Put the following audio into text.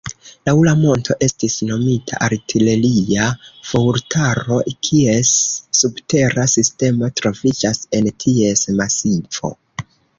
Laŭ la monto estis nomita artileria fuortaro, kies subtera sistemo troviĝas en ties masivo.